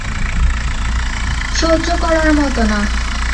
সহ্য করার মত না।